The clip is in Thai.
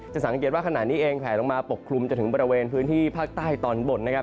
สังเกตว่าขณะนี้เองแผลลงมาปกคลุมจนถึงบริเวณพื้นที่ภาคใต้ตอนบนนะครับ